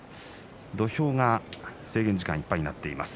土俵が制限時間いっぱいです。